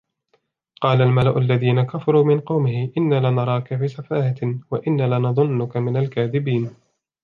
قَالَ الْمَلَأُ الَّذِينَ كَفَرُوا مِنْ قَوْمِهِ إِنَّا لَنَرَاكَ فِي سَفَاهَةٍ وَإِنَّا لَنَظُنُّكَ مِنَ الْكَاذِبِينَ